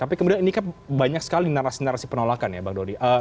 tapi kemudian ini kan banyak sekali narasi narasi penolakan ya bang doni